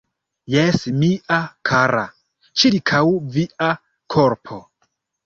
Jes, mia kara, ĉirkaŭ via korpo.